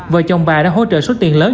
vợ chồng bà đã hỗ trợ suất tiền lớn